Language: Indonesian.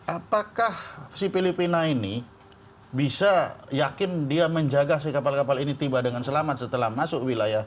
apakah si filipina ini bisa yakin dia menjaga si kapal kapal ini tiba dengan selamat setelah masuk wilayah